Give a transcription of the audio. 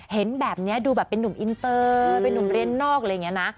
เห็นแบบนี้ดูแบบเป็นนุ่มอินเตอร์เป็นนุ่มเรียนนอกอะไรอย่างนี้นะ